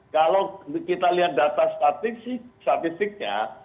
kalau kita lihat data statistik statistiknya